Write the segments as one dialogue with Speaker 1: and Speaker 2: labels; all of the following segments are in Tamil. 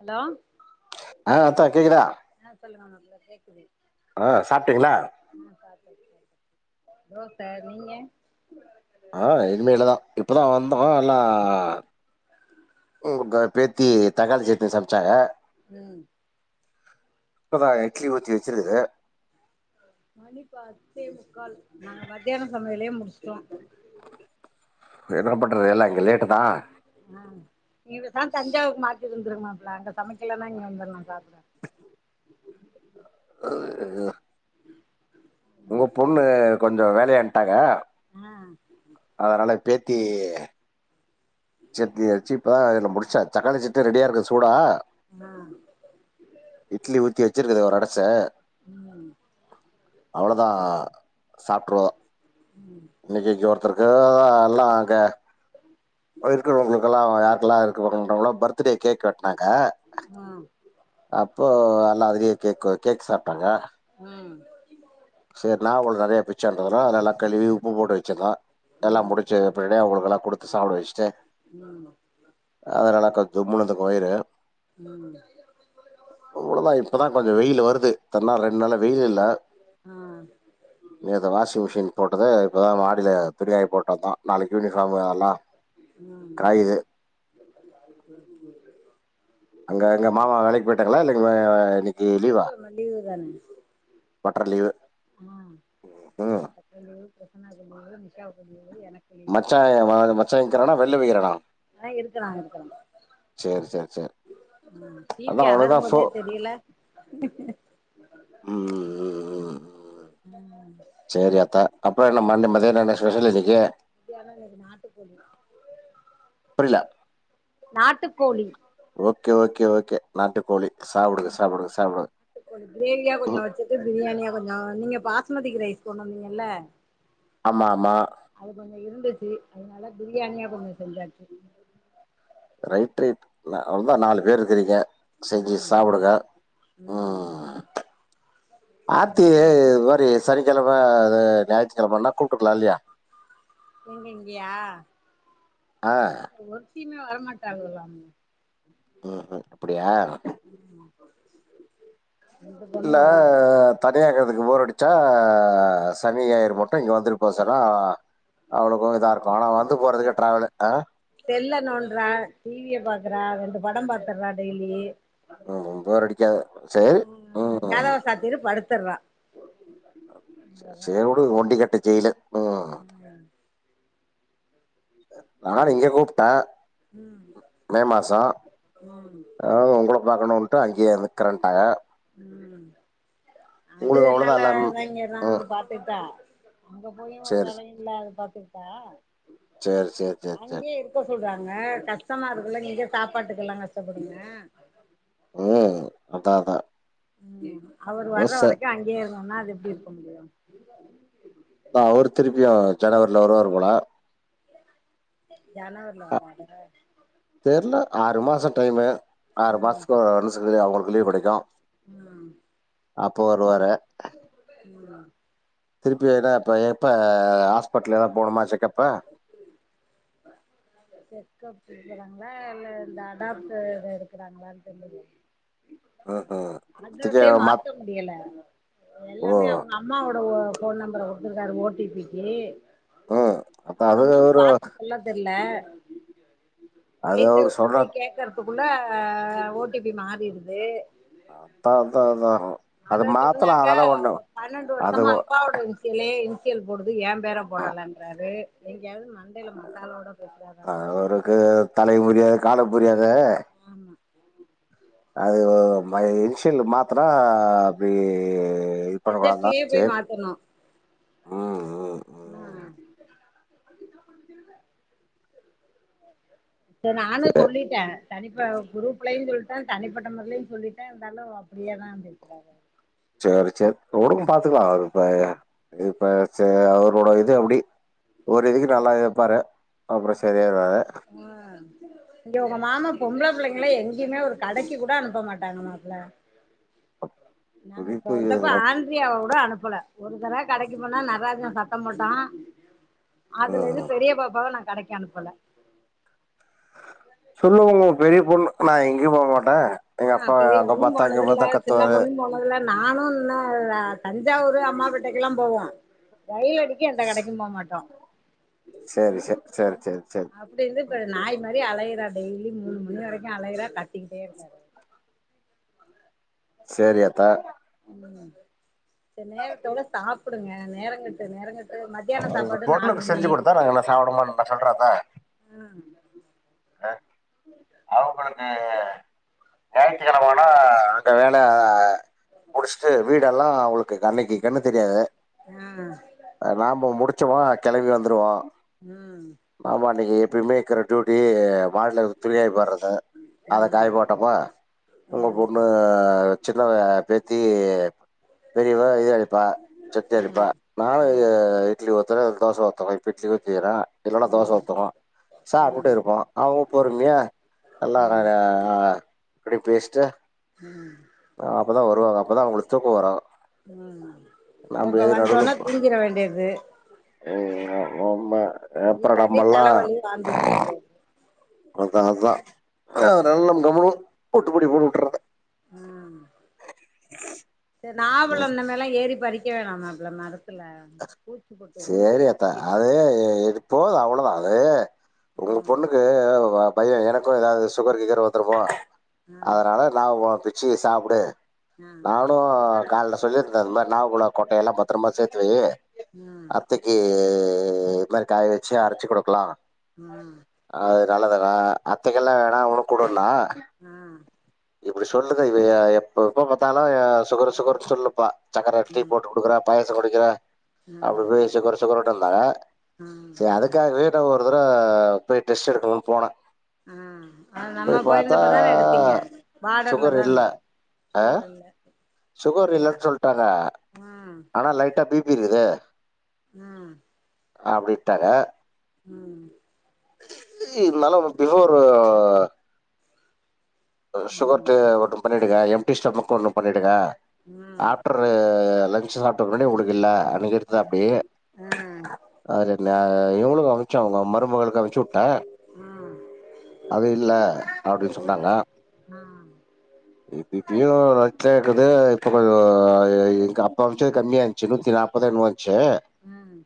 Speaker 1: அலோ
Speaker 2: ஆ அத்தா கேக்குதா
Speaker 1: ஆ சொல்லங்க மாப்ள கேக்குது
Speaker 2: ஆ சாப்ட்டீங்களா
Speaker 1: ஆ சாப்டாச்சு சாப்டாச் தோச நீங்க
Speaker 2: ஆ இனிமேலதா இப்பதா வந்தோமா எல்லா உங்க பேத்தி தக்காளி சட்னி சம் ச்சாங்க
Speaker 1: ம்
Speaker 2: இப்பதா இட்லி ஊத்தி வெச்சிருகுது
Speaker 1: மணி பத்தே முக்கால் நாங்க மத்யான சமையலே முடிஸ்ட்டோ
Speaker 2: என்னா பண்றது எல்லா இங்க லேட்டுதா
Speaker 1: ஆ இததா தஞ்சாவுக்கு மாத்திருந்துருக்கு மாப்ள அங்க சமைக்கலனா இங்க வந்துர்ல சாப்பிட
Speaker 2: [unintelligible] உங்க பொண்ணு கொஞ்சோ வேலயா இந்ட்டாங்க
Speaker 1: ஆ
Speaker 2: அதனால பேத்தி சட்னி அரிச்சு இப்பதா ன்ன முடிச்சா தக்காளி சட்னி ரெடியா இருக்கு சூடா
Speaker 1: ஆ ம்
Speaker 2: இட்லி ஊத்தி வெச்சிருக்குது ஒரு அடச அவ்ளோதா சாப்ட்ருவோ இன்னிக்கு இங்க ஒருத்தருக்கு [unintelligible] எல்லா அங்க அதா இருக்குறவங்களுக்கெல்லா யாருக்குலா [unintelligible] பர்த்துட்டே கேக்கு வெட்னாங்க
Speaker 1: ஆ
Speaker 2: அப்போ அல்லா அதுலியே கேக்கு கேக் சாப்டாங்க
Speaker 1: ம்
Speaker 2: சேர் நாவப்பழோ நறைய பிச்சான்ததுலா நல்லா கழுவி உப்பு போட்டு வச்சிருந்தா எல்லா
Speaker 1: ம்
Speaker 2: முடிச்சு அப்டியே அங்களுக்குலா குடுத்து சாப்ட வச்சுட்டு
Speaker 1: ம்
Speaker 2: அதனால கா தும்முனதுக்கு வயிறு
Speaker 1: ம்
Speaker 2: அவ்ளோதா இப்போதா கொஞ்சோ வெயிலு வருது தன்னா ரெண்ட் நாளா வெயிலு இல்ல
Speaker 1: ஆ
Speaker 2: நேத்து வாஷிங் மிஷின் போட்டது இப்பதா மாடில துணி காய் போட்டதுதா நாளைக்கி யூனிஃபார்மு எல்லா
Speaker 1: ம்
Speaker 2: கயுது அங்க எங்க மாமா வேலைக்கி போய்ட்டாங்ளா இல்லைங்களா இன்னைக்
Speaker 1: ஞாயித்துகெழம லீவு தான
Speaker 2: பட்டர் லீவு
Speaker 1: ம்
Speaker 2: ம்
Speaker 1: ஹலோ பிரசன்னா [unintelligible] நிஷா [unintelligible] எனக்
Speaker 2: மச்சா ஏ மச்சா நிக்றானா வெள்ள போயிக்றானா
Speaker 1: ஆ இருக்றா இருக்றா
Speaker 2: சேரி சேரி
Speaker 1: ம்
Speaker 2: அதா
Speaker 1: டிவி
Speaker 2: அவனுக்குதா ஃபோ
Speaker 1: அலறும்போதே தெரியல
Speaker 2: ம் ம் ம் ம்.
Speaker 1: ம்
Speaker 2: சேரி அத்த அப்றோ என்ன மண்ட மத்யானோ என்ன ஸ்பெஷல் இன்னைக்கி
Speaker 1: மத்யானோ இன்னைக்கி நாட்டுக்கோழி
Speaker 2: புரியல
Speaker 1: நாட்டுக்கோழி
Speaker 2: ஓகே ஓகே ஓகே நாட்டுக்கோழி சாப்டுங்க சாப்டுங்க சாப்டுங்க
Speaker 1: கிரேவியா கொஞ்சோ வச்சுட்டு பிரியாணியா கொஞ்சோ நீங்க பாஸ்மதிக்கு ரைஸ் கொண்ட்டு வந்தீங்கல்ல
Speaker 2: ஆமா ஆமா
Speaker 1: அது கொஞ்சோ இருந்துச்சு அதனால பிரியாணியா கொஞ்சோ செஞ்சாச்சு
Speaker 2: ரைட் ரைட் அவ்ளோதா நாலு பேர் இருக்கிறீங்க செஞ்சு
Speaker 1: ம்
Speaker 2: சாப்டுங்க ம் ஆர்த்தி
Speaker 1: நீங்க
Speaker 2: இது மாரி சனிக்கெழம ஞாயிற்றுக்கெழமனா கூப்டுருக்கலா இல்லையா
Speaker 1: எங்க இங்கேயா
Speaker 2: ஆ
Speaker 1: ஒருத்தியுமே வரமாட்டாலுவலாமே
Speaker 2: ம் ம் அப்படியா
Speaker 1: ம்
Speaker 2: இல்ல தனியாருக்கறதுக்கு போறடிச்சா சனி ஞாயிறு மட்டு இங்க வந்துட் போ சொன்னா அவளுக்கு இதாருக்கு ஆனா வந்து
Speaker 1: அவ
Speaker 2: போறதுக்கே டிராவல்லு அ
Speaker 1: செல்ல நோன்றா டிவிய பாக்கறா ரெண்டு படோ பாத்தர்றா டெய்லி
Speaker 2: ம் போர்டிக்காது சேரி ம்
Speaker 1: திரு படுத்தர்றா
Speaker 2: சேரி உடு ஒண்டி கட்ட ஜெயிலு ம்
Speaker 1: ம்
Speaker 2: நானு இங்க கூப்டே
Speaker 1: ம் ம்
Speaker 2: மே மாசோ
Speaker 1: ம்
Speaker 2: ஆதாது உங்கள பாக்கணுன்ட்டு அங்யே இருந்
Speaker 1: ம் அது
Speaker 2: உங்களுக்கு அவ்வளோதான்
Speaker 1: நல்லா
Speaker 2: எல்லாம்
Speaker 1: தாயிங்க தா
Speaker 2: ம்
Speaker 1: பாத் துட்டா அங்க போயு ஒரு
Speaker 2: சரி
Speaker 1: வேலையு இல்ல அத பாத்துக்குட்டா
Speaker 2: சேர் சேர் சேர் சேர்
Speaker 1: இப்ப சொல்றாங்க கஷ்டமாருக்குல்ல இங்க சாப்பாட்டுக்கெல்லா கஷ்டப்படுங்க
Speaker 2: ம் அதா அதா
Speaker 1: அவரு வர்ற வரைக்கு அங்கயே இருன் சொன்னா அது எப்டி இருக்க முடியு
Speaker 2: தா அவரு திருப்பியு ஜனவரில வருவாரு போல
Speaker 1: ஜனவரில வரானுங்க
Speaker 2: தெர்ல ஆறு மாச டைமு ஆறு
Speaker 1: ம்
Speaker 2: மாசத்துக்கு ஒ ஓன்சுக்கு அவுங்களுக்கு லீவ் கெடைக்கு
Speaker 1: ம் ம்
Speaker 2: திருப்பி எதனா இப்போ எப்போ ஹாஸ்பிட்டல் ஏதான போனுமா செக்கப்பு
Speaker 1: செக்கப்பு எடுக்கறாங்களா இல்ல இந்த அடாப்ட் இது எடுக்கறாங்களான்னு தெர்லைங்க
Speaker 2: ம் ம்
Speaker 1: அது
Speaker 2: இப்போதைக்கு
Speaker 1: அப்பயே
Speaker 2: மாத்
Speaker 1: மாத்த முடியல
Speaker 2: ஓ
Speaker 1: எல்லாமே அவுங்க அப் அம்மாவோட ஃபோன் நம்பர குடுத்திருக்காரு ஓ டி பி க்கி
Speaker 2: ம் அதான்
Speaker 1: அவுங்க
Speaker 2: அது
Speaker 1: அம்மாவுக்கு
Speaker 2: ஒரு
Speaker 1: பாத்து சொ சொல்ல தெர்ல
Speaker 2: அது
Speaker 1: எயித்த
Speaker 2: அவர்
Speaker 1: வீட்ல
Speaker 2: சொன்னா
Speaker 1: போய் கேக்க றதுக்குள்ள ஓ டி பி மாறிடுது
Speaker 2: அதா அதா அதா
Speaker 1: அத சொன்னாக்க பன்னெண்டு
Speaker 2: அது
Speaker 1: வருஷமா
Speaker 2: ஒ-
Speaker 1: அப்பாவோட புள்ளையே இன்சியல் போடுது ஏ பேர
Speaker 2: அ-
Speaker 1: போடலன்றாரு எங்கேயாவது மன
Speaker 2: அது அவருக்கு தலையு புரியாது காலு புரியாதே
Speaker 1: ஆமா
Speaker 2: அது ஒ மை இன்ஷியல் மாத்துனா அப்டி பரவால்ல
Speaker 1: எசட்லயே போய்
Speaker 2: செரி
Speaker 1: மாத்தணு
Speaker 2: ம் ம்
Speaker 1: ம் இப்ப நானு
Speaker 2: சரி
Speaker 1: சொல்லிட்ட தனிப்ப குரூப்லேயு சொல்லிட்ட தனிப்பட்ட முறலையு சொல்லிட்ட இருந்தாலு அப்டியே தா பேசராக
Speaker 2: சேரி சேரி உடுங்க பாத்துக்லா அது அப்பய இப்ப ச அவரோட இது அப்டி ஒரு இதுக்கு நல்லா இப்பாரு அப்றோ சரியாயிடுவாரு
Speaker 1: வந் இங்க உங்க மாமா பொம்பள புள்ளைங்கள எங்கயு ஒரு கடைக்கி கூட அனுப்ப மாட்டாங்க மாப்ள நாங்க இப்ப
Speaker 2: குறிப்பு இது
Speaker 1: வந்தப்ப ஆனந் பிரியாவ கூட அனுப்பல ஒரு தடவ கடைக்கு போனா நட்ராஜன் சத்தோ போட்டா அதுல இருந்து
Speaker 2: ம்.
Speaker 1: பெரிய பாப்பாவ நா கடைக்கு அனுப்பல
Speaker 2: சொல்லுங்க உங்க பெரிய பொண்ணு நா எங்கேயு போக மாட்ட
Speaker 1: ஆ பெரிய பொண்ணு போனதில்ல சின்ன பொண்ணு போ னதில்ல நானு இன்னு தஞ்சாவூரு அம்மாபேட்டைக்குல்லா போவோ ரயில் அடிக்கு எந்த கடைக்கு போமாட்டோ
Speaker 2: சேரி சேரி சேரி சேரி சேரி சேரி
Speaker 1: அப்டி இருந்து இப்ப நாய் மாரி அலைரா டெய்லி மூணு மணி வரைக்கு அலைய்ரா கத்திக்கிட்டே இருக்காரு அவரு
Speaker 2: சேரி ஆத்தா
Speaker 1: ம் சேரி நேரத்தோட சாப்புடுங்க நேரங்கட்டு நேரங்கட்
Speaker 2: உங்க பொண்ணுக்கு அப்டி செஞ்சி குடுத்தா நாங்க என்ன சாப்ட மாட்டோன்னா சொல்ற அத்த ஆ அவுங்களுக்கு ஞாயித்திக்கெழம ஆனா ஒரு வேல முடிச்சுட்டு வீடெல்லா அவுங்களுக்கு கன்னைக்கி என்ன தெரியாது
Speaker 1: ஆ
Speaker 2: நாம முடிச்சமா கெளம்பி வந்துருவோ
Speaker 1: ம்
Speaker 2: மாமா அன்னைக்கி எப்பயுமே இருக்கற டியூட்டி மாடில துணிய காய போட்றதா அத காய
Speaker 1: ம்
Speaker 2: போட்டமா உங்க பொண்ணு சின்னவ பேத்தி பெரியவ இது அரைப்பா சட்டி அரைப்பா நானு
Speaker 1: ம்
Speaker 2: இட்லி ஊத்துவே தோச ஊத்துவே இப்ப இட்லி ஊத்திகீறே இல்லன்னா தோச
Speaker 1: ம் ம்
Speaker 2: ஊத்தனு சாப்புட்டு
Speaker 1: ம்
Speaker 2: இருப்போ அவ்ங்க பொருமையா நல்லா
Speaker 1: ம்
Speaker 2: அ இப்புடி பேசிட்டு
Speaker 1: ம்
Speaker 2: அப்பதா வருவாங்க அப்பதா அவங்களுக்கு தூக்க வரு
Speaker 1: ம் இப்ப வந்தோனா தூங்கிட வேண்டியது
Speaker 2: ம் ஆமா ஆமா அப்ற
Speaker 1: இல்லாட்டி
Speaker 2: நாம்மெல்லா
Speaker 1: தலைவலி வாந்திக்க வேண்டியது
Speaker 2: அதா அதா
Speaker 1: ம்
Speaker 2: அதனால நம்மளு வுட்டு புடிப்போன்னு வுட்டறது
Speaker 1: ம் செரி நாவபழோ இன்னமேலாம் ஏறி பறிக்க வேணாம்மா அப்றோ மரத்
Speaker 2: சேரி ஆத்தா அது இது போது அவ்வளவுதா அது உங்க
Speaker 1: ம்
Speaker 2: பொண்ணுக்கு பைய எனக்கு ஏதாவது சுகர் கீகர் வந்துருப்போமோ
Speaker 1: ஆ
Speaker 2: அதனால நா ஓ [unintelligible] சாப்புடு
Speaker 1: ஆ
Speaker 2: இப்போ கால்ல சொல்லிருந்தேன்ல நாவபழோ கொட்டையெல்லா பத்ரமா சேத்து வை
Speaker 1: ஆ
Speaker 2: அத்த ஏ இது மாரி காய வச்சு அரச்சி குடுக்கலா
Speaker 1: ம்
Speaker 2: அது நல்லதுதா அத்தைக்கெல்லாம் வேணா ஒன்னொனு குடுக்கலா
Speaker 1: அ
Speaker 2: இப்டி சொல்லுங்க இ எப்ப எப்ப பாத்தாலு சுகர் சுகர்ன்னு சொல்லுப்பா சக்கர டீ
Speaker 1: ஆ
Speaker 2: போட்டு குடுக்கற பாயாச குடிக்கிற அப்புடியே சுகரு சுகருன்ட்டுருந்தாங்க
Speaker 1: ஆ ஆ
Speaker 2: செரி அத க்காவே நா ஒருதரவ பேய் டெஸ்ட் எடுக்கனுனு போனே
Speaker 1: ஆ அ நம்ம போய்ருந்தப்பதானே எடுத்திங்க பாடர்ல
Speaker 2: சுகர்
Speaker 1: தான்
Speaker 2: இல்லை
Speaker 1: இருந்து சுகர் இல்ல
Speaker 2: சுகர் இல்லன்னு சொல்லிட்டாங்க
Speaker 1: ம்
Speaker 2: ஆனா லைட்டா பி பி இருக்குது
Speaker 1: ம்
Speaker 2: அப்டின்டாங்க
Speaker 1: ம்
Speaker 2: என்னால உனக்கு பிஃபோரு இந்த சுகர்ட ஒன்னு பண்ணிடுங்க எம்டி ஸ்டொமக்கு ஒன்னும் பண்ணிடுங்க
Speaker 1: ம்
Speaker 2: [unintelligible] லன்ச் சாப்பிட ஒடனே உங்களுக்கு இல்ல அன்னிக்கி எடுத்தாப்படி
Speaker 1: ம் ஆ
Speaker 2: அது இவுங்ளுக்கு அனுச்ச அவுங்க அம்மா குடும்பகளுக்கு அனுப்புச்சுவுட்டேன்
Speaker 1: ஆ
Speaker 2: அது இல்ல அப்டின்னு சொன்னாங்க
Speaker 1: அ
Speaker 2: இப்பப்பயு [unintelligible] இருக்குது இப்ப கொஞ்சம் எங்க அப்பா அமிச்ச கம்மியா இருந்துச்சு நூத்தி நாற்ப முப்பதோ என்மோ வன்ச்சு
Speaker 1: ம்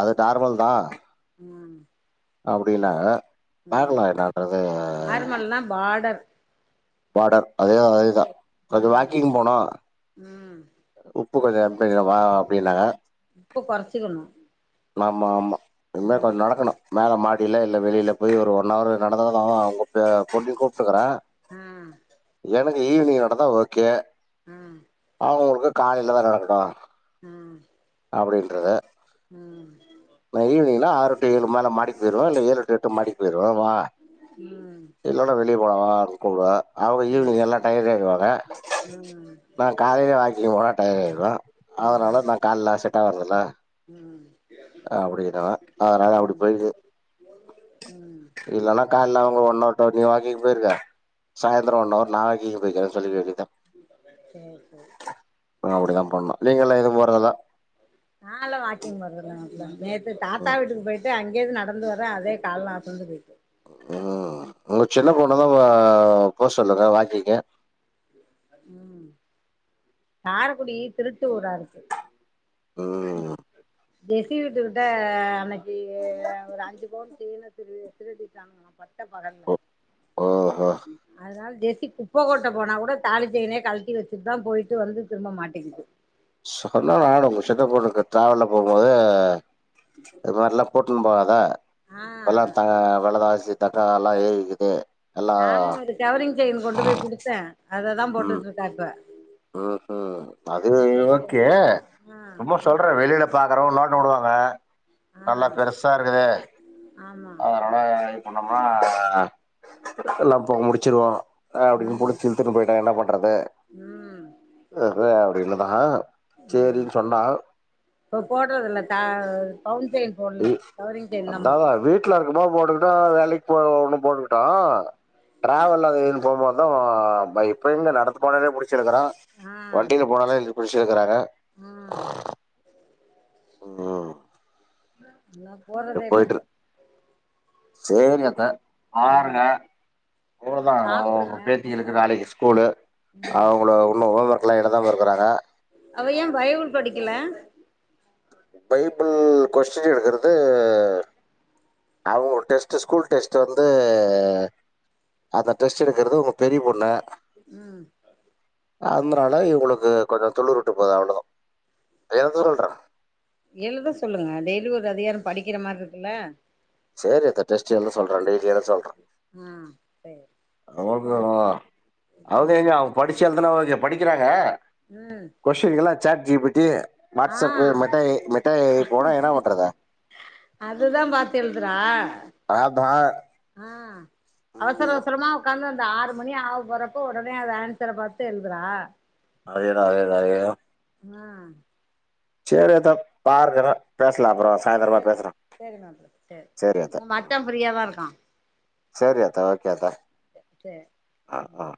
Speaker 2: அது நார்மல் தா
Speaker 1: ம்
Speaker 2: அப்டின்னாங்க பாக்களா என்னறது
Speaker 1: நல்லா பாடர்
Speaker 2: பாடர் அதே அதேதா கொஞ்ச
Speaker 1: ம்
Speaker 2: வாக்கிங் போனா
Speaker 1: ம்
Speaker 2: உப்பு கொஞ்சம் அனுப்பி வக்கிறேபா அப்டின்னாங்க
Speaker 1: உப்ப கொறச்சுக்கணு
Speaker 2: ஆமா ஆமா இனிமே கொஞ்சோ நடக்கணு மேல மாடியில இல்ல வெளியில போய் ஒரு ஒன் அவர் நடந்ததா உங்க பே பொண்ணுயு கூப்பிட்டுக்குறே
Speaker 1: ம்
Speaker 2: எனக்கு ஈவினிங் நடந்தா ஓகே
Speaker 1: அ
Speaker 2: அவுங்களுக்கு காலையில தா நடக்கணோ
Speaker 1: அ
Speaker 2: அப்புடின்றத
Speaker 1: உம்
Speaker 2: நா ஈவினிங்னா ஆறு டு ஏழு மேல மாடிக்கு போய்டுவே இல்ல ஏழு எட்டு மாடிக்கு போய்டுவே வா
Speaker 1: ம்
Speaker 2: இல்லனா வெளிய போலா வா கூப்டுவா அவுங்க
Speaker 1: ம்
Speaker 2: ஈவினிங் எல்லா டையர்டாயிடுவாங்க நா காலையிலே வாக்கிங் போனா டயர்டு ஆயிடுவே
Speaker 1: ம்
Speaker 2: அதனால நா கால்ல செட் ஆவாறல்லல
Speaker 1: ம்
Speaker 2: அப்டீனுவ அதனால அப்புடி
Speaker 1: ம்
Speaker 2: போயிடுது இல்லன்னா கால்ல அவுங்க ஒண்ணவர் இப்போ நீ வாக்கிங் போயிருக்க சாய்ந்திரோ ஒன்னவர் நா வாக்கிங் போய்கிரேனு சொல்லிக்க வேண்டியதுதா
Speaker 1: சேரி சேரி
Speaker 2: நம் பண்ணு நீங்களா எங்யோ போறதா இல்ல
Speaker 1: நாலா வாக்கிங் போறது நேத்து தாத்தா
Speaker 2: ம்.
Speaker 1: வீட்டுக்கு போயிட்டு அங்கே இருந்து நடந்து வரே அதே கால்லா அசந்துபோய்ட்டு
Speaker 2: ஓ ஓ உங்க சின்ன பொண்ணதா போ சொல்லுங்க வாக்கிங்கு
Speaker 1: ம் காரக்குடி திருட்டு ஊரா இருக்கு
Speaker 2: உம்
Speaker 1: ஜெஸ்ஸி வீட்டுகிட்ட அன்னைக்கி ஒரு அஞ்சு பவுன் செய்ன திருடி திருடிட்டாங்கலா பட்ட பகல்ல
Speaker 2: ஓ ஓஹோ!
Speaker 1: அதனால ஜெசி குப்ப கொட்ட போனா கூட தாலி செய்னே கழட்டி வெச்சி தா போய்ட்டு வந்து திருப்ப மாட்டிக்குது
Speaker 2: சொன்னா நானு உங்க சித்தப்பனுக்கு டிராவல்ல போகும்போதே இந்த மாரில போட் தூம்பாத
Speaker 1: ஆ
Speaker 2: இப்பலா தா வெலவாசி தக்காளி வெலலா ஏறிக்குது எல்லா
Speaker 1: நானு ஒரு கவரிங் செயின் கொண்டு போய் குடுத்தே அததா போட்டுட்ருக்கா இப்ப
Speaker 2: ம் ஹு
Speaker 1: அது
Speaker 2: பதினேலு
Speaker 1: போட்டுக்க
Speaker 2: ஓகே
Speaker 1: ஆ
Speaker 2: சும்மா சொல் அப்புறோ வெளில பாக்குறவுங்க நோட்டோ வுடுவாங்க
Speaker 1: ஆ
Speaker 2: நல்லா பெருசா இருக்குது
Speaker 1: ஆமா
Speaker 2: அதனால முன்னமா எல்லா இப்போ முடிச்சிடுவோ ஆ அப்புடீனு புடுச்சு இலுத்துனு போயிட்டா என்ன பண்றது
Speaker 1: உம்
Speaker 2: விட்று அப்டீன்னுதா சேரினு சொன்னா
Speaker 1: இப்போ போடுறது இல்ல ட பவுன் செயின் போட்ல கவரிங் செயின் தா போட்ருக்கா
Speaker 2: வீட்ல இருக்கமோ போட்டுக்குட்டோ வேலைக்கு போ ஒன்னு போட்டுக்குட்டோ டிராவல் அது இது போமோது இதோ பை இப்ப இல்ல நடந்து போனாலே புடிச்சு இலுக்குறா வண்டியில போனாலே எ புடிச்சி இலுக்குறாங்க
Speaker 1: உம்
Speaker 2: உம்
Speaker 1: நா போறதே இல்ல இப்ப
Speaker 2: சேரிங்க அத்த
Speaker 1: ம்
Speaker 2: பாருங்க போதோ அவுங்கவுங்க
Speaker 1: சாப்புடுங்க
Speaker 2: பேத்திகளுக் நாளைக்கு ஸ்கூலு
Speaker 1: ம்
Speaker 2: அவுங்குலோ உன்னோ ஹோம் ஒர்க்லா எழுதாம இருக்குறாங்க
Speaker 1: அவ ஏ பைபிள் படிக்கல
Speaker 2: பைபிள் கொஸ்டின் எடுக்குறது அவுங்க டெஸ்ட்டு ஸ்கூல் டெஸ்ட்டு வந்து அத டெஸ்ட்டு எடுக்குறது உங்க பெரிய பொண்ணு
Speaker 1: ம்
Speaker 2: ஆந்திரால இவுங்களுக்கு கொஞ்சோ துளுர் வுட்டு போது அவ்ளோதா எழுந்துருன்றே
Speaker 1: எழுத சொல்லுங்க டெய்லி ஒரு அதிகார படிக்கிற மாரி இருக்குல்ல
Speaker 2: சேரி அத்த டெஸ்ட்டு எழுத சொல்றே டெய்லி எத சாப்
Speaker 1: ம் சேரி
Speaker 2: அவ்ளோ தானா அவுங்க
Speaker 1: ம்
Speaker 2: ஏரியா அவுங்க படிச்சி எழுதுனா ஒகே படிக்கிறாங்க
Speaker 1: ம்
Speaker 2: கொஷின்கெல்லா சேட் ஜீ பி டி
Speaker 1: ஆ
Speaker 2: WhatsApp Meta A Meta A I போனா என்ன பண்ணறது
Speaker 1: அதுதா பாத்து எழுதுறா
Speaker 2: அதா
Speaker 1: ஆ அவசர
Speaker 2: ம்
Speaker 1: அவசரமா உட்காந்து அந்த ஆறு மணி ஆவ போறப்ப ஒடனே அது ஆன்சரை பார்த்து எழுதுறா
Speaker 2: அதே த அதே த அதே த
Speaker 1: ம்மா
Speaker 2: சேரி அத்த பார்குறே பேசலா அப்பறோ சாயந்தரமா
Speaker 1: சேரி
Speaker 2: பேசுறே
Speaker 1: மேம் சேரி மேம் சேரி
Speaker 2: செரி ஆத்தா
Speaker 1: உங்க
Speaker 2: ம்
Speaker 1: மச்சா ஃப்ரீயா தா இருக்கா
Speaker 2: செரி ஆத்தா ஓகே ஆத்தா
Speaker 1: சேரி
Speaker 2: ஆ ஆ